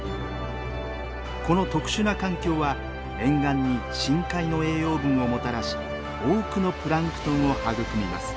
この特殊な環境は沿岸に深海の栄養分をもたらし多くのプランクトンを育みます。